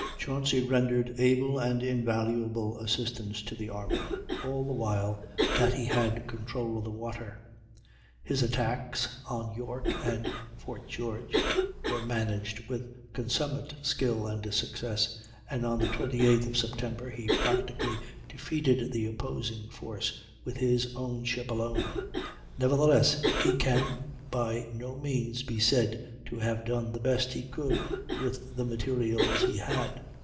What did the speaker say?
Chauncy rendered able and invaluable assistance to the army all the while that he had control of the water; his attacks on York and Fort George were managed with consummate skill and success, and on the 28th of September he practically defeated the opposing force with his own ship alone. Nevertheless he can by no means be said to have done the best he could with the materials he had.